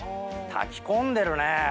炊き込んでるね。